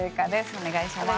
お願いします。